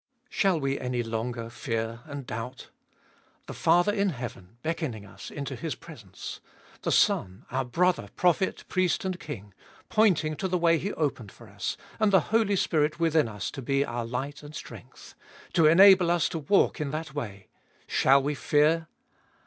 1. Shall we any longer fear and doubt? The Father in heaven beckoning us into His presence; the Son, our Brother, Prophet, Priest, and King, pointing to the way He opened for us and the Holy Spirit within us to be our light and strength, to enable us to walk in that way— shall we fear?